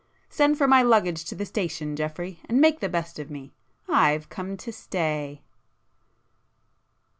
—send for my luggage to the station, Geoffrey, and make the best of me,—I've come to stay!"